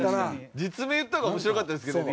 「実名言った方が面白かったですけど」